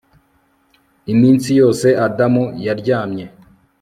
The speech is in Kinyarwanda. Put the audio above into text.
Iminsi yose Adamu yaramye